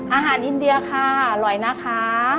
อาหารอินเดียค่ะอร่อยนะคะ